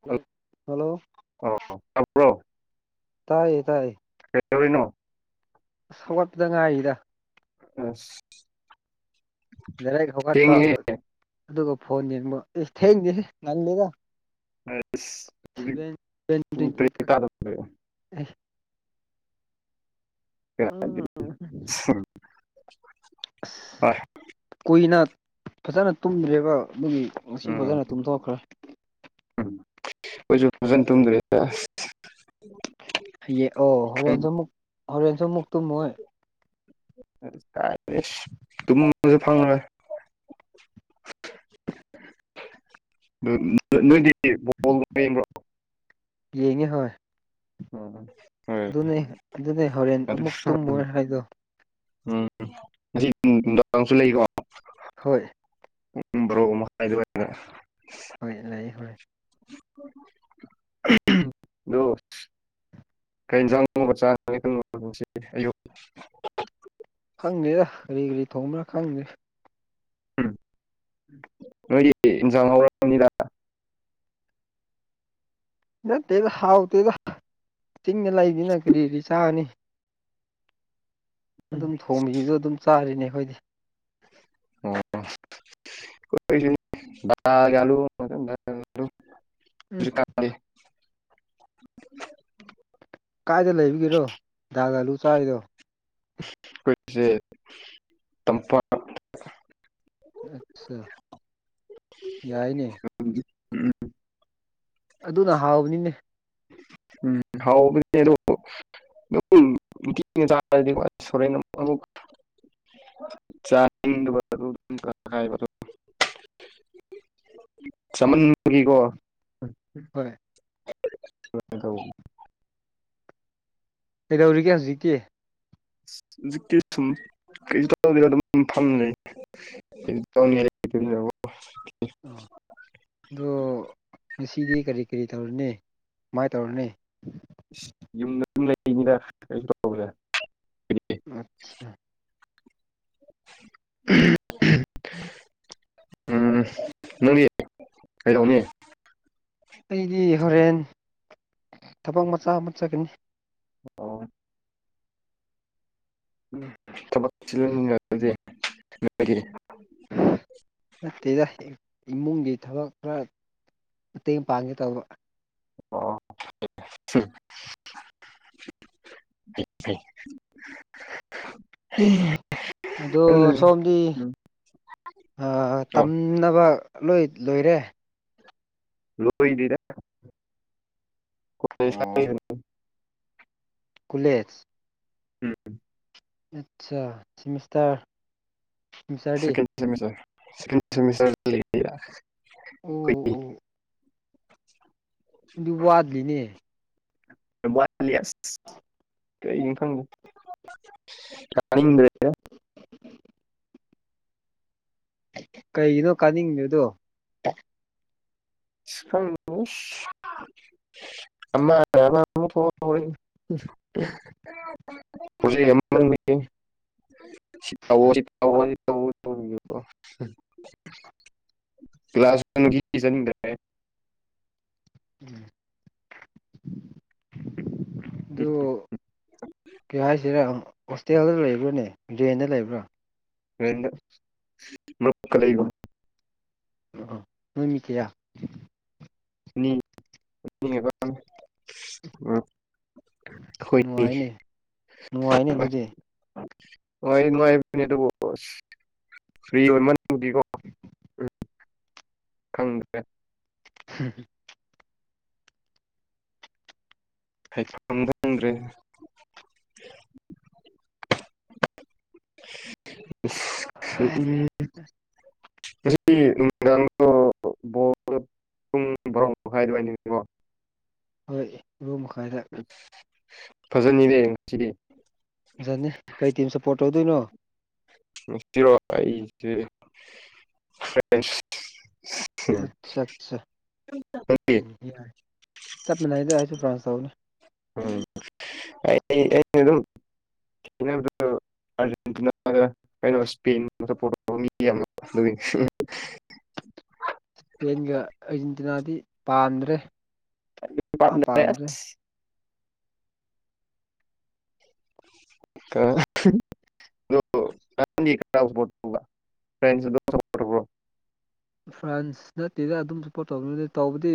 hello hello ꯑ ꯇꯥꯕꯔꯣ ꯇꯥꯏꯌꯦ ꯇꯥꯏꯌꯦ ꯀꯩꯗꯧꯔꯤꯅꯣ ꯑꯁ ꯍꯧꯒꯠꯄꯗ ꯉꯥꯏꯔꯤꯗ ꯑꯁ ꯗꯥꯏꯔꯦꯛ ꯍꯧꯒꯠꯄ ꯊꯦꯡꯉꯦꯍꯦ ꯑꯗꯨꯒ ꯐꯣꯟ ꯌꯦꯡꯕ ꯏꯁ ꯊꯦꯡꯗꯦꯍꯦ ꯉꯜꯂꯤꯗ ꯑꯁ ꯍꯖꯤꯛ ꯁꯚꯦꯟ ꯎ ꯇꯔꯦꯠ ꯇꯥ [unintelligible] ꯑ ꯎꯝ [unintelligible] ꯑꯁ ꯀꯨꯏꯅ ꯐꯖꯅ ꯇꯨꯝꯗ꯭ꯔꯦꯕ ꯗꯨꯒꯤ ꯉꯁꯤ ꯐꯖꯅ ꯇꯨꯝꯊꯣꯛꯈ꯭ꯔꯦ ꯎꯝ ꯈꯣꯏꯁꯨ ꯐꯖꯟ ꯇꯨꯝꯗ꯭ꯔꯦ ꯑꯁ ꯍꯌꯦꯛ ꯑꯣ ꯍꯣꯔꯦꯟꯁꯨ ꯃꯨꯛ ꯍꯣꯔꯦꯟꯁꯨ ꯃꯨꯛ ꯇꯨꯝꯃꯣꯏ ꯑꯁ ꯀꯥꯏꯗꯩ ꯇꯨꯃꯁꯨ ꯐꯪꯉꯔꯣꯏ ꯅꯨ [unintelligible] ꯅꯣꯏꯗꯤ ꯕꯣꯜ ꯌꯦꯡꯕ꯭ꯔꯣ ꯌꯦꯡꯉꯦ ꯍꯣꯏ ꯑꯣ ꯑꯗꯨꯅꯦ ꯑꯗꯨꯅꯦ ꯍꯣꯔꯦꯟ ꯑꯃꯨꯛ ꯇꯨꯝꯃꯣꯏ ꯍꯥꯏꯗꯣ ꯎꯝ ꯉꯁꯤ ꯅꯨꯡꯗꯥꯡꯁꯨ ꯂꯩꯀꯣ ꯍꯣꯏ ꯎ꯭ꯔꯣ [unintelligible] ꯍꯥꯏꯗꯤꯦ [unintelligible] ꯍꯣꯏ ꯂꯩ ꯍꯣꯏ ꯑꯗꯣ ꯀꯩ ꯌꯦꯟꯁꯥꯡ ꯅꯨꯡꯕ ꯆꯥ [unintelligible] ꯈꯪꯗꯦꯗ ꯀꯔꯤ ꯀꯔꯤ ꯊꯣꯡꯕ꯭ꯔꯥ ꯈꯪꯗꯦ ꯎꯝ ꯅꯣꯏꯗꯤ ꯏꯟꯁꯥꯡ ꯍꯥꯎꯔꯝꯅꯤꯗ ꯅꯠꯇꯦꯗ ꯍꯥꯎꯇꯦꯗ ꯆꯤꯡꯗ ꯂꯩꯕꯅꯤꯅꯥ ꯀꯔꯤꯗꯤ ꯆꯥꯅꯤ ꯑꯗꯨꯝ ꯊꯣꯡꯕꯤꯕꯗꯣ ꯑꯗꯨꯝ ꯆꯥꯔꯤꯅꯦ ꯑꯩꯈꯣꯏꯗꯤ ꯑꯣ ꯀꯣꯏ ꯎꯝ [unintelligible] ꯀꯥꯏꯗ ꯂꯩꯕꯒꯤꯔꯣ ꯗꯥꯒ ꯑꯥꯂꯨ ꯆꯥꯔꯤꯗꯣ ꯑꯩꯈꯣꯏꯁꯦ ꯇꯝꯄꯥꯛ ꯑꯠꯆꯥ ꯌꯥꯏꯅꯦ ꯑꯗꯨꯅ ꯍꯥꯎꯕꯅꯤꯅꯦ ꯍꯥꯎꯕꯅꯦ ꯑꯗꯨ ꯎꯝ [inaudible] ꯗꯤ ꯁꯣꯔꯅ [unintelligible] ꯆꯥꯏ [unintelligible] ꯆꯥꯃꯟꯕꯒꯤꯀꯣ ꯍꯣꯏ ꯊ ꯀ [unintelligible] ꯀꯩꯗꯧꯔꯤꯒꯦ ꯍꯧꯖꯤꯛꯇꯤ ꯍꯧꯖꯤꯛꯇꯤ ꯑꯗꯨꯝ ꯀꯩꯝ ꯇꯧꯗꯦ ꯐꯝ ꯂꯩ ꯕꯣ [inaudible] ꯑ ꯑꯗꯨ ꯉꯁꯤꯗꯤ ꯀꯔꯤ ꯀꯔꯤ ꯇꯧꯔꯅꯤ ꯁꯃꯥꯏꯅ ꯇꯧꯔꯅꯤ ꯏꯁ ꯌꯨꯝꯗ ꯑꯗꯨꯝ ꯂꯩꯅꯤꯗ ꯀꯁꯨ ꯇꯧꯗꯦ ꯑꯩꯗꯤ ꯑꯆꯥ ꯎꯝ ꯅꯪꯗꯤ ꯀꯩꯗꯧꯅꯤ ꯑꯩꯗꯤ ꯍꯣꯔꯦꯟ ꯊꯕꯛ ꯃꯆꯥ ꯑꯃ ꯆꯠꯒꯅꯤ ꯑꯣ ꯎ ꯊꯕꯛ ꯆꯤꯜꯍꯟ [inaudible] ꯅꯠꯇꯦꯗ ꯏꯃꯨꯡꯒꯤ ꯊꯕꯛ ꯈꯔ ꯃꯇꯦꯡ ꯄꯥꯡꯉ‌ꯦ ꯇꯧꯕ ꯑꯣ [inaudible] [inaudible] ꯑꯗꯣ ꯁꯣꯝꯗꯤ ꯎꯝ ꯑꯥ ꯑꯣ ꯇꯝꯅꯕ ꯂꯣꯏ ꯂꯣꯏꯔꯦ ꯂꯣꯏꯗꯤꯗ ꯀ [unintelligible] ꯀꯨꯂꯦꯖ ꯎꯝ ꯑꯠꯆꯥ ꯁꯤꯃꯤꯁꯇꯔ ꯁꯤꯃꯤꯁꯇꯔꯗꯤ ꯁꯦꯀꯦꯟ ꯑꯩꯈꯣꯏꯒꯤ ꯑꯣ ꯑꯣ [unintelligible] ꯑꯗꯨ ꯋꯥꯗꯦꯅꯦ ꯌꯥꯝ ꯋꯥꯠꯂꯤ ꯑꯥꯁ ꯀꯔꯤꯅꯣ ꯈꯪꯗꯦ ꯇꯥꯅꯤꯡꯗꯔ꯭ꯦꯗ ꯀꯩꯒꯤꯅꯣ ꯀꯥꯅꯤꯡꯗ‌ꯦꯗꯣ [inaudible] [inaudible] [inaudible] ꯁꯤ ꯇꯧꯋ‌ꯣ [unintelligible] ꯁꯤ ꯇꯧꯋ‌ꯣ [inaudible] ꯀ꯭ꯂꯥꯁ ꯋꯥꯟꯒꯤ [inaudible] ꯎꯝ ꯗꯨ ꯀꯩ ꯍꯥꯏꯁꯤꯔ ꯍꯣꯁꯇꯦꯜꯗ ꯂꯩꯕ꯭ꯔꯥꯅꯦ ꯔꯦꯟꯗ ꯂꯩꯕ꯭ꯔꯥ ꯔ‌ꯦꯟꯗ [inaudible] ꯑꯣ ꯅꯣꯏ ꯃꯤ ꯀꯌꯥ [inaudible] ꯑꯩꯈꯣꯏꯒꯤ ꯅꯨꯡꯉꯥꯏꯅꯤ ꯅꯨꯡꯉꯥꯏꯅꯤ ꯑꯗꯨꯗꯤ ꯅꯨꯡꯉꯥꯏ ꯅꯨꯡꯉꯥꯏꯕꯅꯤ ꯑꯗꯨꯕꯨ ꯐꯔꯤ ꯑꯣꯏꯃꯟ [inaudible] ꯗꯤꯀꯣ ꯎꯝ ꯈꯪꯗ꯭ꯔꯦ [inaudible] [unintelligible] ꯍꯥꯏꯐꯝ ꯈꯪꯗ꯭ꯔꯦ ꯑꯁ [inaudible] ꯉꯁꯤ ꯅꯨꯃꯤꯗꯥꯡꯗꯣ ꯕ‌ꯣꯜ ꯄꯨꯡ ꯕꯔ‌ꯣꯃꯈꯥꯏ ꯗꯨꯋꯥꯏꯅꯤꯀꯣ ꯍꯣꯏ ꯕꯔ‌ꯣ ꯃꯈꯥꯏꯗ [unintelligible] ꯐꯖꯅꯤꯅꯦ ꯉꯁꯤꯗꯤ ꯐꯖꯅꯤ ꯀꯩ ꯇꯤꯝ ꯁꯞꯄꯣꯔꯠ ꯇꯧꯗꯣꯏꯅꯣ [inaudible] ꯔꯣ [inaudible] ꯑꯩꯁ‌ꯦ ꯐ꯭ꯔ‌ꯦꯁ ꯑꯠꯆꯥ ꯑꯠꯆꯥ [inaudible] ꯎꯝ ꯌꯥꯏ ꯆꯞ ꯃꯥꯟꯅꯩꯗ ꯑꯩꯁꯨ ꯐ꯭ꯔꯥꯟꯁ ꯇꯧꯅꯤ ꯎꯝ ꯑꯩ ꯑꯩꯗꯤ ꯑꯗꯨꯝ [inaudible] ꯑꯥꯔꯖꯦꯟꯇꯤꯅꯥꯗ ꯀꯩꯅꯣ [inaudible] ꯏꯁꯄꯦꯟ ꯄ‌ꯣꯔꯇꯨꯒ‌ꯣꯜ ꯃꯤ ꯌꯥꯝ [inaudible] ꯆꯦꯟꯒ ꯑꯔꯖꯦꯟꯇꯤꯅꯥꯗꯤ ꯄꯥꯝꯗ꯭ꯔꯦ ꯏꯄꯥꯝ ꯄꯥꯝꯗ꯭ꯔꯦ [inaudible] [inaudible] ꯐ꯭ꯔꯦꯟꯁ ꯁꯨ [inaudible] ꯐ꯭ꯔꯥꯟꯁ ꯅꯠꯇꯦꯗ ꯑꯗꯨꯝ ꯁꯞꯄꯣꯔꯠ ꯇꯧꯅ [inaudible] ꯇꯧꯕꯗꯤ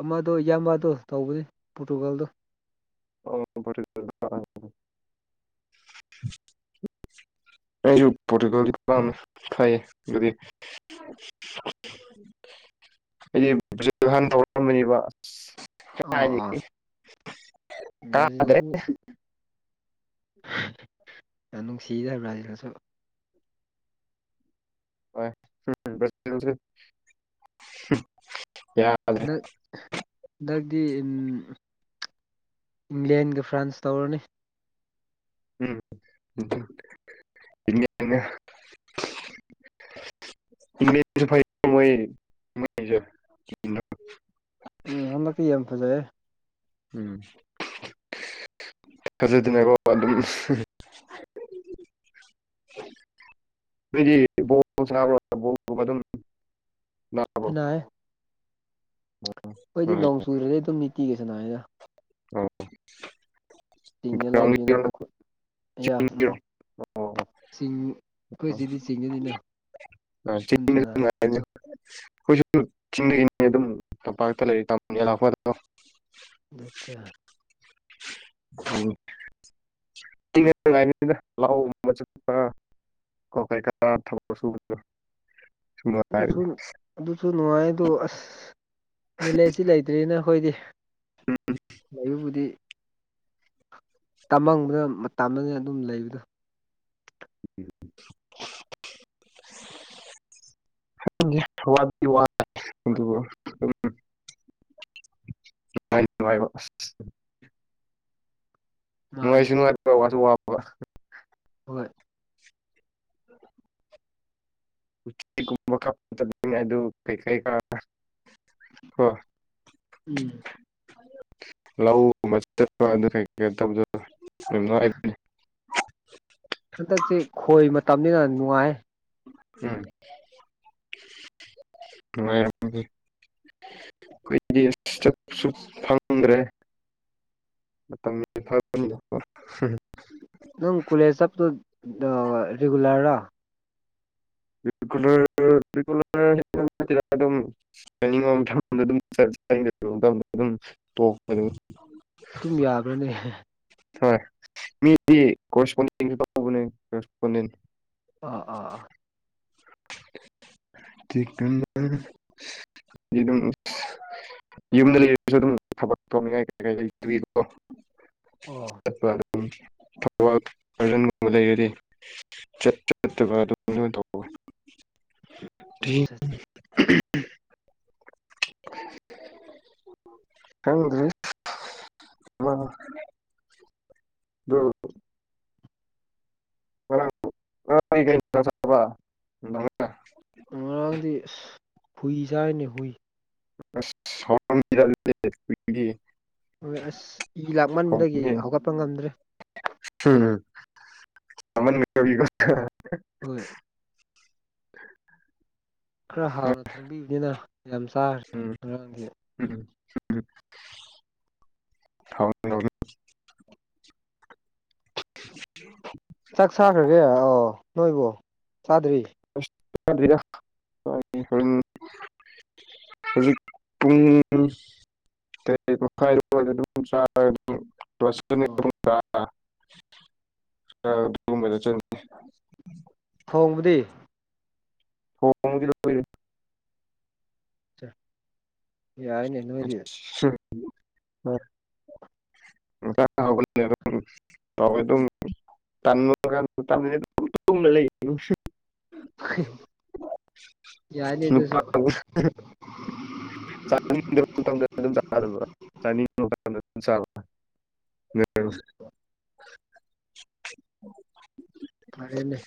ꯑꯃꯗꯣ ꯌꯥꯃꯥꯕꯗꯣ ꯇꯧꯕꯩ ꯄꯣꯔꯇꯨꯒꯥꯜꯗꯣ ꯑꯣ ꯄ‌ꯣꯔꯇꯨꯒꯥꯜ ꯑꯩꯁꯨ ꯄꯣꯔꯇꯨꯒꯥꯜ ꯄꯥꯝ [inaudible] ꯐꯩꯌ‌ꯦ ꯑꯗꯨꯗꯤ ꯑꯥ ꯑꯥ [unintelligible] ꯕ꯭ꯔꯥꯖꯤꯜꯁꯨ [unintelligible] ꯌꯥꯝ ꯅꯨꯡꯁꯤꯗ ꯕ꯭ꯔꯥꯖꯤꯜꯁꯨ [unintelligible] ꯗꯛꯗ ꯎꯝ ꯏꯪꯂꯦꯟꯒ ꯐ꯭ꯔꯥꯟꯁ ꯇꯧꯔꯅꯤ ꯎꯝ [inaudible] ꯏꯪꯂ‌ꯦꯟꯁꯨ ꯐꯩ [inaudible] ꯃꯣꯏ [inaudible] [inaudible] ꯎꯝ ꯍꯟꯗꯛꯇꯤ ꯌꯥꯝ ꯐꯖꯩꯌꯦ ꯎꯝ [inaudible] [unintelligible] ꯁꯥꯟꯅꯩꯌꯦ ꯑꯩꯈꯣꯏꯗꯤ ꯅꯣꯡ ꯆꯨꯗ꯭ꯔꯗꯤ ꯑꯗꯨꯝ ꯅꯤꯇꯤꯒꯤ ꯁꯥꯟꯅꯩꯗ ꯑꯥꯎ ꯆꯤꯡꯗ ꯂꯥꯛꯕꯅꯤꯅ ꯎꯝ [unintelligible] ꯑꯩꯈꯣꯏꯁꯤꯗꯤ ꯆꯤꯡꯉꯅꯤꯅ [unintelligible] ꯑꯩꯈꯣꯏꯁꯨ ꯆꯤꯡꯗꯒꯤꯅꯤ ꯑꯗꯨꯝ ꯇꯝꯄꯥꯛꯇ ꯂꯩꯔꯤ [unintelligible] [unintelligible] ꯎꯝ [unintelligible] ꯑꯗꯨꯁꯨ [unintelligible] ꯑꯗꯨꯁꯨ ꯅꯨꯡꯉꯥꯏ ꯑꯗꯨ ꯑꯁ ꯅꯣꯂꯦꯖꯁꯤ ꯂꯩꯇ꯭ꯔꯤꯅ ꯑꯩꯈꯣꯏꯗꯤ ꯂꯩꯕꯕꯨꯗꯤ ꯇꯝꯃꯕꯗ [unintelligible] ꯑꯗꯨꯝ ꯂꯩꯕꯗꯣ [inaudible] [unintelligible] ꯅꯨꯡꯉꯥꯢꯗꯤ ꯅꯨꯡꯉꯥꯢꯕ ꯃꯥꯅꯦ ꯅꯨꯡꯉꯥꯏꯁꯨ ꯅꯨꯡꯉꯥꯏꯕ ꯋꯥꯁꯨ ꯋꯥꯕ ꯍꯣꯏ [unintelligible] [unintelligible] ꯎꯝ [inaudible] ꯂꯧꯒꯨꯝꯕ ꯆꯠꯄ [unintelligible] ꯍꯟꯗꯛꯁꯦ ꯈꯣꯏ ꯃꯇꯝꯅꯤꯅ ꯅꯨꯡꯉꯥꯏ ꯎꯝ [unintelligible] ꯑꯩꯈꯒꯤ ꯆꯠꯁꯨ ꯐꯪꯗ꯭ꯔꯦ ꯃꯇꯝꯁ [unintelligible] ꯅꯪ ꯀꯣꯂꯦꯖ ꯆꯞꯄꯗꯣ ꯔꯤꯒꯨꯂꯔꯔꯥ [unintelligible] [unintelligible] [inaudible] ꯇꯨꯝ ꯌꯥꯕ꯭ꯔꯥꯅꯦ ꯍꯣꯏ ꯃꯤꯗꯤ ꯀꯣꯔꯦꯁꯄꯣꯟꯗꯤꯡꯁꯨ ꯇꯧꯕꯅꯦ ꯀꯣꯔꯦꯁꯄꯣꯟꯗꯦꯗ ꯑꯥ ꯑꯥ ꯑꯥ ꯆꯤꯟ [unintelligible] ꯌꯨꯝꯗ ꯂꯩꯔꯁꯨ ꯑꯗꯨꯝ ꯊꯕꯛ ꯇꯧꯅꯤꯡꯉꯥꯏ ꯀꯩ ꯀꯩꯣ ꯑꯣ ꯆꯠꯄ ꯎ ꯊꯧꯕꯥꯜ ꯒꯥꯔꯗꯟꯒꯨꯝꯕ ꯂꯩꯔꯗꯤ ꯆꯠ ꯆꯠꯇꯕ ꯑꯗꯨꯝꯣꯟ ꯇꯧꯕ ꯑꯠꯆꯥ [inaudible] ꯍꯔꯤ ꯋꯥ ꯍ ꯒ ꯁꯕ ꯑꯥ ꯉꯔꯥꯡꯗꯤ ꯑꯁ ꯍꯨꯏ ꯆꯥꯔꯤꯅꯤ ꯍꯨꯏ [unintelligible] ꯍꯣꯏ ꯑꯁ ꯏ ꯂꯥꯛꯃꯟꯕꯗꯒꯤ ꯍꯧꯒꯠꯄ ꯉꯝꯗ꯭ꯔꯦ ꯎꯝ [unintelligible] ꯍꯣꯏ [inaudible] ꯈꯔ ꯍꯥꯎꯅ ꯈꯣꯡꯕꯤꯕꯅꯤꯅ ꯌꯥꯝ ꯆꯥꯈ꯭ꯔꯦ ꯉꯔꯥꯡꯗꯤ ꯎꯝ [unintelligible] [inaudible] ꯆꯥꯛ ꯆꯈ꯭ꯔꯒꯦ ꯑꯣ ꯅꯣꯏꯕꯨ ꯆꯥꯗ꯭ꯔꯤ [unintelligible] ꯍꯧꯖꯤꯛ ꯄꯨꯡ ꯆ ꯑꯣ [unintelligible] ꯆ [unintelligible] ꯊꯣꯡꯕꯗꯤ ꯍ [unintelligible] ꯑꯆꯥ [inaudible] ꯑꯗꯨꯝ ꯇ ꯂꯩ ꯌꯥꯏꯅꯦ ꯅꯨꯄꯥ ꯑꯗꯨꯁꯨ ꯃꯇꯝ ꯑꯗꯨꯝ ꯆ ꯆꯥꯅꯤ ꯃꯇꯝ ꯐꯔꯦꯅꯦ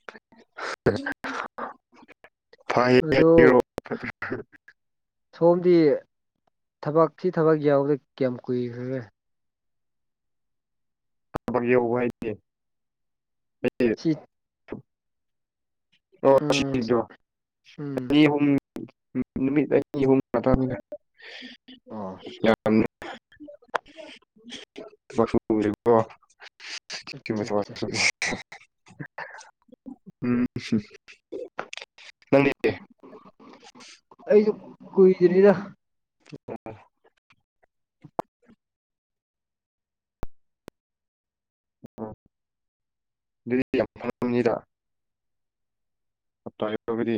[inaudible] ꯑꯗꯨ ꯐ [unintelligible] ꯁꯣꯝꯗꯤ ꯊꯕꯛ ꯊꯤ ꯊꯕꯛ ꯌꯥꯎꯕꯗ ꯀꯌꯥꯝ ꯀꯨꯏꯈ꯭ꯔꯦ ꯌꯦꯕꯦ ꯎꯝ ꯎ [unintelligible] ꯑꯣ ꯎꯝ ꯎꯝ [unintelligible] ꯅꯨꯃꯤꯠꯍ ꯌꯥꯝ ꯣ [unintelligible] ꯑꯣ ꯀꯃ ꯑꯠꯆꯥ ꯑꯠꯆꯥ ꯎꯝ ꯎ ꯅꯅꯤꯦ ꯑꯩꯁꯨ ꯀꯨꯏꯗꯅꯤꯗ ꯑ ꯎ ꯑꯗꯨꯗꯤ ꯌꯥꯝꯅꯤꯗ ꯑ ꯇꯥꯏ ꯐꯗꯤ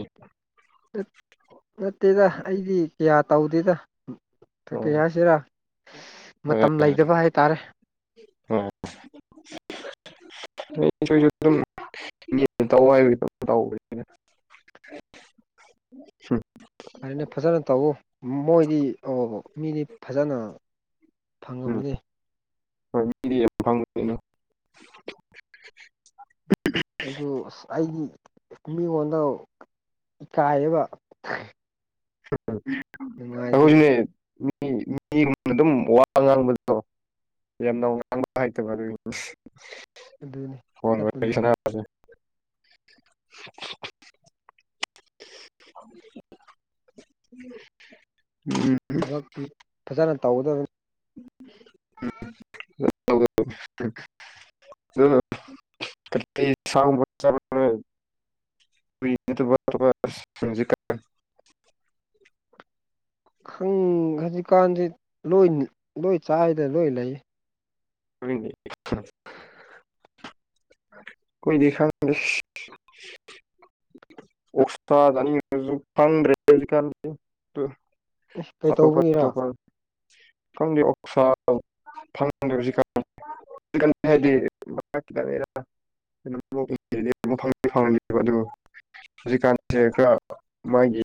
ꯅꯠꯇꯦꯗ ꯑꯩꯗꯤ ꯀꯌꯥ ꯇꯧꯗꯦꯗ ꯀꯀ ꯑꯣ ꯍꯥꯏꯁꯤꯔ ꯃꯇꯝ ꯂꯩꯇꯕ ꯍꯥꯏꯇꯥꯔꯦ ꯑꯣ ꯣꯏꯁꯨ ꯑꯗꯨꯝ ꯇ ꯍꯥꯏ ꯇ ꯎꯝ [inaudible] ꯑ [inaudible] ꯐꯖꯅ ꯇꯧꯎ ꯃꯣꯏꯗꯤ ꯃꯤꯗꯤ ꯐꯖꯅ ꯎꯝ ꯐꯪꯉꯕꯅꯤ ꯍꯣꯏ ꯃꯤꯗꯤ ꯌꯥꯝ ꯐꯥꯡꯉꯗꯩꯅꯣ [inaudible] ꯑꯩꯁꯨ ꯑꯁ ꯑꯩꯒꯤ ꯃꯤꯉꯣꯟꯗ ꯏꯀꯥꯏꯌꯦꯕ ꯅꯨꯡꯉꯥꯏꯇꯦ ꯑꯩꯈꯣꯢꯁꯦ ꯃꯤ ꯃꯤ ꯑꯗꯨꯝ ꯋꯥ ꯉꯥꯡꯕꯗꯣ ꯌꯥꯝꯅ ꯉꯥꯡꯕ ꯍꯥꯏꯇꯕ ꯑꯗꯨꯒꯤꯅꯦ ꯑꯗꯨꯅꯤ ꯆꯠꯄꯅꯔꯦ ꯐꯣꯟꯣꯟꯁꯅꯦ ꯎꯝ ꯊꯕꯛꯇꯤ ꯐꯖꯅ ꯇꯧꯒꯗꯕꯅꯤ [unintelligible] ꯆꯂꯣ ꯀ ꯁ ꯆꯦ [inaudible] ꯁꯤꯡꯁꯤ ꯈꯪ ꯍꯧꯖꯤꯛꯀꯥꯟꯁꯤ ꯂꯣꯏ ꯂꯣꯏ ꯆꯥꯏꯗꯅ ꯂꯣꯏ ꯂꯩ ꯎ [inaudible] ꯑꯩꯈꯣꯏꯗꯤ ꯈꯪꯗꯦ ꯑꯣꯁꯅꯤ ꯐ ꯔꯦ ꯀ [inaudible] ꯀꯩ ꯇꯧꯕꯒꯤꯔ ꯑꯇꯣꯄꯇꯣꯄ [inaudible] ꯥꯐꯪꯗꯤ ꯑꯣꯛꯁꯥ ꯐꯪꯗꯕꯁꯤ [inaudible] ꯐꯕ ꯑꯗꯨ [inaudible] ꯍꯧꯖꯤꯛꯀꯥꯟꯁꯦ ꯈꯔ ꯃꯥꯒꯤ